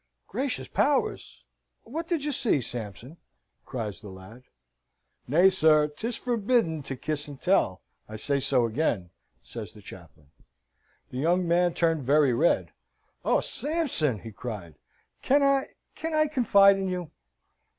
"Gracious powers! What did you see, Sampson?" cries the lad. "Nay, sir, 'tis forbidden to kiss and tell. I say so again," says the chaplain. The young man turned very red. "Oh, Sampson!" he cried, "can I can I confide in you?"